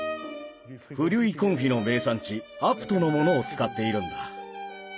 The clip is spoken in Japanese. フリュイ・コンフィの名産地アプトのものを使っているんだ。